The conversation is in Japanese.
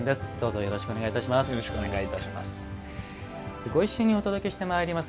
よろしくお願いします。